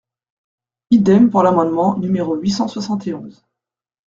Idem pour l’amendement numéro huit cent soixante et onze.